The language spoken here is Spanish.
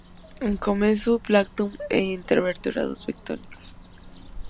Come zoo plancton e invertebrados bentónicos.